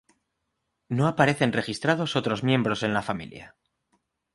No aparecen registrados otros miembros en la familia.